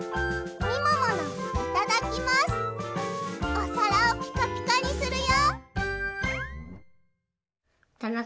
おさらをピカピカにするよ！